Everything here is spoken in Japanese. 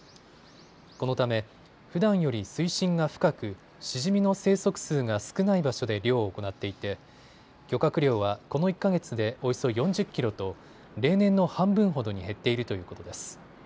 このためふだんより水深が深くシジミの生息数が少ない場所で漁を行っていて漁獲量はこの１か月でおよそ４０キロと例年の半分ほどに減っているということです。